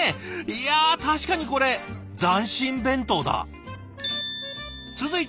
いや確かにこれ「斬新弁当」だ。